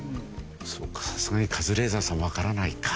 そうかさすがにカズレーザーさんわからないか。